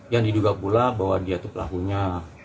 yang diduga pula bahwa dia itu pelakunya